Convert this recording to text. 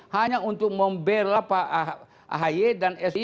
hanya untuk membela pak ahaye dan sby